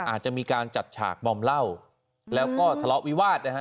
อาจจะมีการจัดฉากบอมเหล้าแล้วก็ทะเลาะวิวาสนะฮะ